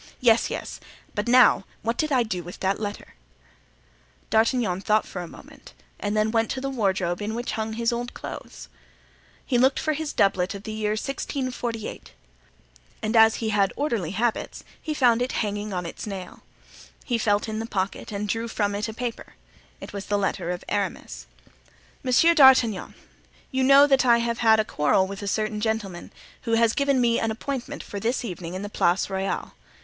Yes, yes; but now what did I do with that letter?" D'Artagnan thought a moment and then went to the wardrobe in which hung his old clothes. He looked for his doublet of the year 1648 and as he had orderly habits, he found it hanging on its nail. He felt in the pocket and drew from it a paper; it was the letter of Aramis: "Monsieur D'Artagnan: You know that I have had a quarrel with a certain gentleman, who has given me an appointment for this evening in the Place Royale.